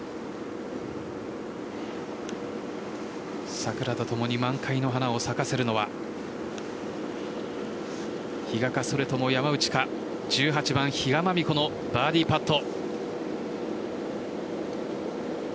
桜とともに満開の花を咲かせるのは比嘉か、それとも山内か１８番比嘉真美子のバーディーパット。